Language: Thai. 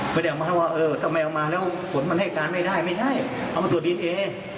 ไม่ได้เอามาว่าเออทำไมเอามาแล้วผลมันให้การไม่ได้ไม่ได้เอามาตรวจดีเอนเอ